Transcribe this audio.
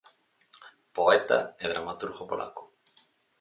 Poeta e dramaturgo polaco.